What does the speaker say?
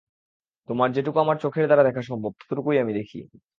তোমার যেটুকু আমার চোখের দ্বারা দেখা সম্ভব, ততটুকুই আমি দেখি।